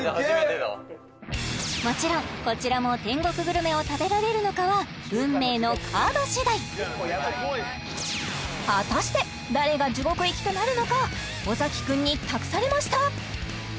もちろんこちらも天国グルメを食べられるのかは運命のカードしだい果たして誰が地獄行きとなるのか尾崎くんに託されました！